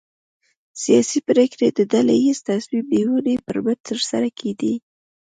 سیاسي پرېکړې د ډله ییزې تصمیم نیونې پر مټ ترسره کېدې.